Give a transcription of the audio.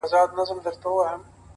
• چي اولسونو لره زوال دی -